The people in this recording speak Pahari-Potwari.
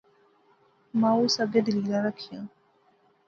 مائو اس اگے دلیلاں رکھیاں